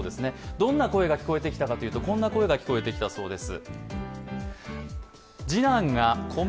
どんな声が聞こえてきたかというとこんな声が聞こえてきたそうです。